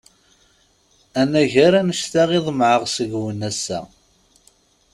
Anagar annect-a i ḍemɛeɣ seg-wen ass-a.